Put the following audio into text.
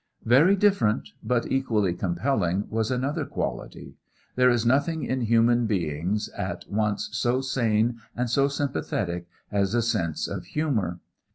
Very different, but equally compelling, was another quality. There is nothing in human beings at once so sane and so sympathetic as a sense of humor.